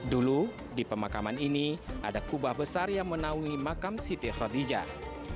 dulu di pemakaman ini ada kubah besar yang menaungi makam siti khadijah